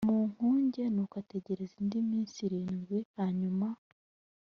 mu nkuge nuko ategereza indi minsi irindwi hanyuma